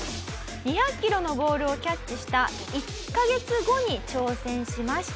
２００キロのボールをキャッチした１カ月後に挑戦しました。